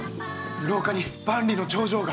廊下に万里の長城が。